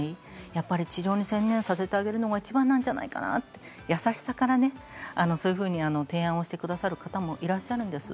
やっぱり治療に専念させてあげるのがいちばんなんじゃないかと優しさからそのように提案をしてくださる方もいらっしゃるんです。